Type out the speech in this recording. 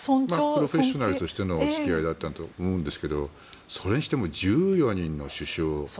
プロフェッショナルとしてのお付き合いだったと思うんですけどそれにしても１４人の首相。